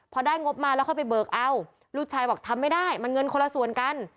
พอได้งบมาแล้วค่อยไปเบิกเอาลูกชายบอกทำไม่ได้มันเงินคนละส่วนกัน